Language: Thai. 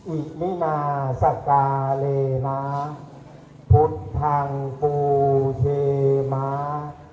อินิมาสักาเลนาพุทธังปูเทมา